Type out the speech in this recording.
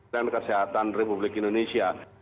dan kesehatan republik indonesia